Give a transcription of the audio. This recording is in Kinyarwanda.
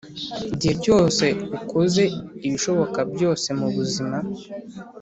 igihe cyose ukoze ibishoboka byose mubuzima,